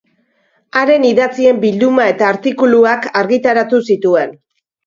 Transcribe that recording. Haren idatzien bilduma eta artikuluak argitaratu zituen.